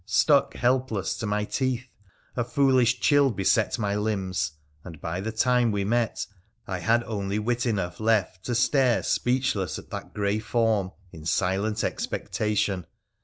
stuck helpless to my teeth ; a foolish chill beset my limbs ; and, by the time we met, I had only wit enough left to stare, speechless, at that grey form, in silent expectation.